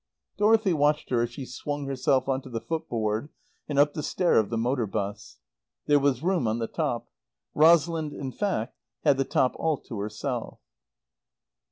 Dorothy watched her as she swung herself on to the footboard and up the stair of the motor bus. There was room on the top. Rosalind, in fact, had the top all to herself.